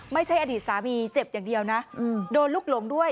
ไม่ใช่อดีตสามีเจ็บอย่างเดียวนะโดนลูกหลงด้วย